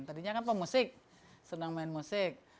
tadinya kan pemusik senang main musik